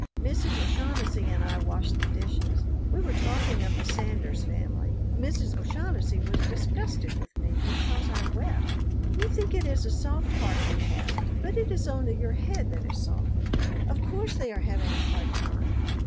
Mrs. O'Shaughnessy and I washed the dishes. We were talking of the Sanders family. Mrs. O'Shaughnessy was disgusted with me because I wept. "You think it is a soft heart you have, but it is only your head that is soft. Of course they are having a hard time.